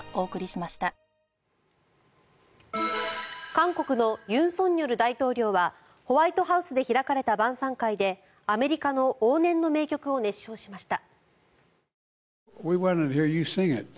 韓国の尹錫悦大統領はホワイトハウスで開かれた晩さん会でアメリカの往年の名曲を熱唱しました。